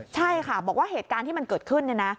ใช่ค่ะบอกว่าเหตุการณ์ที่มันเกิดขึ้นเนี่ยนะ